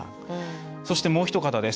そしてもうひと方です。